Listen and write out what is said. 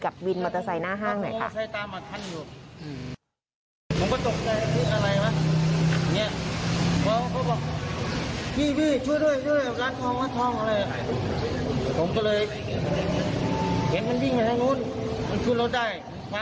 อัศวินธรรมชาติ